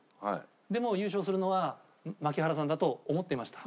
でも優勝するのは槙原さんだと思っていました。